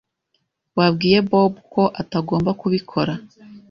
Wabwiye Bobo ko atagomba kubikora?